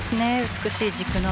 美しい軸の。